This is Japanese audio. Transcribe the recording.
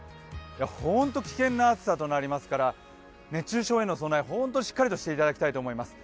ホント危険な暑さとなりますから熱中症への備えを本当にしっかりとしていただきたいと思います。